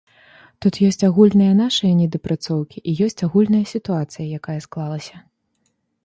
Тут ёсць агульныя нашыя недапрацоўкі і ёсць агульная сітуацыя, якая склалася.